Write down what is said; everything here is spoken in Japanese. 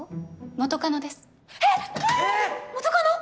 元カノ？